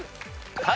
はい。